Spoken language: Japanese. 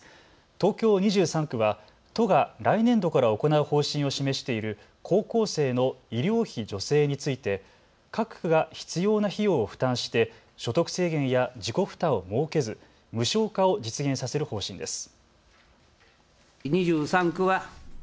東京２３区は都が来年度から行う方針を示している高校生の医療費助成について各区が必要な費用を負担して所得制限や自己負担を設けず無償化を実現させる方針です。